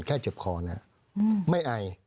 แค่เจ็บคอเนี่ยไม่ไอ